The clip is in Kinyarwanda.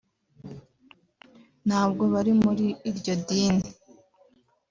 ntabwo bari muri iryo dini